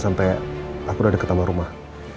sampai aku udah deket sama rumah